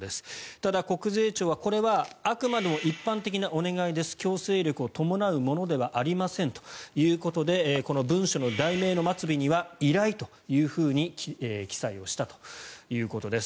ただ、国税庁はこれはあくまでも一般的なお願いです強制力を伴うものではありませんということでこの文書の題名の末尾には依頼というふうに記載をしたということです。